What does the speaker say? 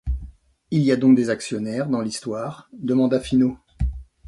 Il y a donc des actionnaires dans l’histoire, demanda Finot.